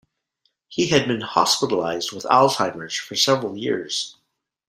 He had been hospitalized with Alzheimer's for several years.